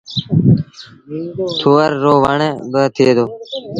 ٿُور رو وڻ با ٿئي دو۔